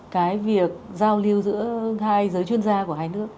cái việc giao lưu giữa hai giới chuyên gia của hai nước